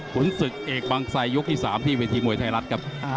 ศึกเอกบางไซยกที่๓ที่เวทีมวยไทยรัฐครับ